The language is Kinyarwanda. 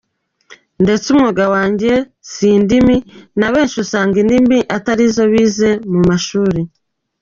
Ndetse umwuga wanjye si indimi na benshi usanga indimi atari zo bize mu mashuri.